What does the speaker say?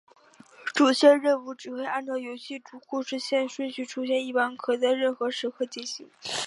主线任务只会按游戏主故事线顺序出现一般可在任何时刻进行。